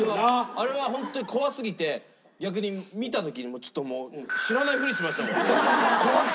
あれは本当に怖すぎて逆に見た時にちょっともう知らないふりしましたもん怖くて。